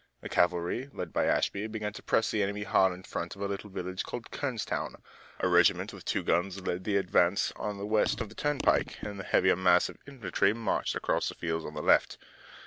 The cavalry led by Ashby began to press the enemy hard in front of a little village called Kernstown. A regiment with two guns led the advance on the west of the turnpike, and the heavier mass of infantry marched across the fields on the left.